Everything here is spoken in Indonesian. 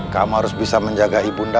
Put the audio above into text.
kamu harus bisa menjaga ibunda